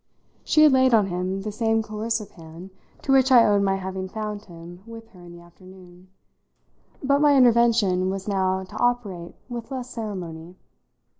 She had laid on him the same coercive hand to which I owed my having found him with her in the afternoon, but my intervention was now to operate with less ceremony.